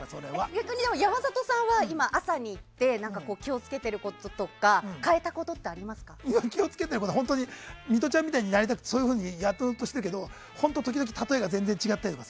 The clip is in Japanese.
逆に山里さんは今、朝に行って気を付けていることとか気を付けてくることはミトちゃんみたいになりたくてそういうふうにやろうとしてるけど本当に時々例えが全然違ったりして。